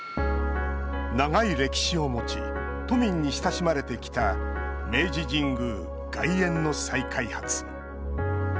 長い歴史を持ち都民に親しまれてきた明治神宮外苑の再開発。